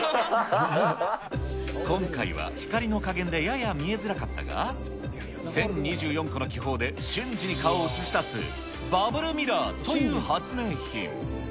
今回は、光の加減でやや見えづらかったが、１０２４個の気泡で、瞬時に顔を映し出すバブルミラーという発明品。